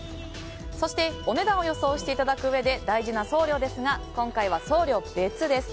そしてお値段を予想していただくうえで大事な送料ですが今回は送料別です。